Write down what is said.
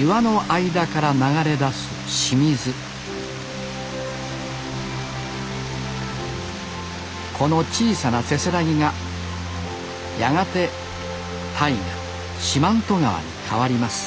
岩の間から流れ出す清水この小さなせせらぎがやがて大河・四万十川に変わります